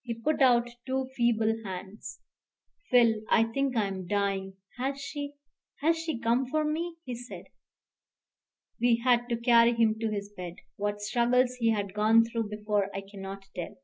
He put out two feeble hands. "Phil I think I am dying has she has she come for me?" he said. We had to carry him to his bed. What struggles he had gone through before I cannot tell.